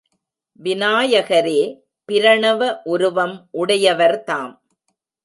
விநாயகரே பிரணவ உருவம் உடையவர்தாம்.